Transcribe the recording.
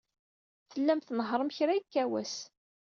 Tellam tnehhṛem kra yekka wass.